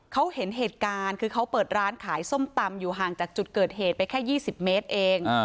เขาเห็นเหตุการณ์คือเขาเปิดร้านขายส้มตำอยู่ห่างจากจุดเกิดเหตุไปแค่๒๐เมตรเอง